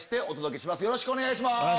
お願いします。